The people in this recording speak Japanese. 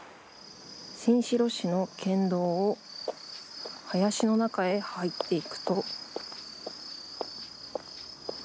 新城市の県道を林の中へ入っていくと。